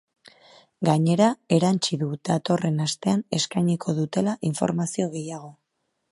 Gainera, erantsi du datorren astean eskainiko duela informazio gehiago.